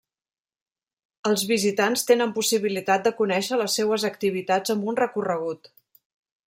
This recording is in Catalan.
Els visitants tenen possibilitat de conéixer les seues activitats amb un recorregut.